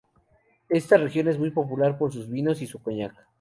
Esta región es muy popular por sus vinos y su coñac.